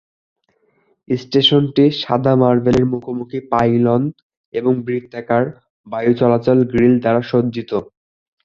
স্টেশনটি সাদা মার্বেলের মুখোমুখি পাইলন এবং বৃত্তাকার বায়ুচলাচল গ্রিল দ্বারা সজ্জিত।